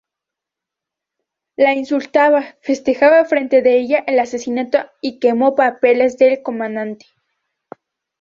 La insultaba, festejaba frente a ella el asesinato y quemó papeles del Comandante.